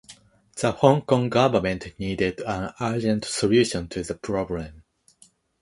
The Hong Kong Government needed an urgent solution to the problem.